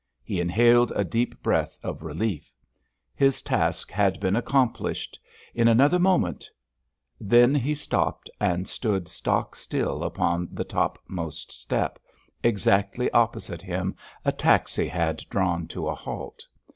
He inhaled a deep breath of relief. His task had been accomplished; in another moment—— Then he stopped and stood stock still upon the top most step—exactly opposite him a taxi had drawn to a halt.